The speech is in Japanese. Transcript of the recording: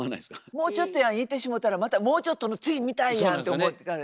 もうちょっとやんいってしもたらまたもうちょっとの次見たいやんって思っちゃうから。